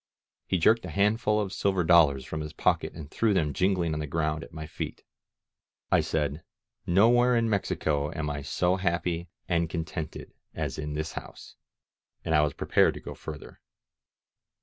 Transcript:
He jerked a handful of silver dollars from his pocket and threw them jingling on the ground at my feet. I said : ^^Nowhere in Mexico am I so happy and con S6 THE GENERAL GOES TO WAR tented as in this house." And I was prepared to go further.